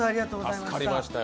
助かりましたよ。